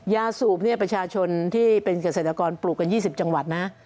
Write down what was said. สูบเนี่ยประชาชนที่เป็นเกษตรกรปลูกกัน๒๐จังหวัดนะ